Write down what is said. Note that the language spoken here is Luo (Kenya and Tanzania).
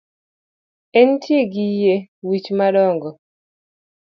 Entie gi yie wich madongo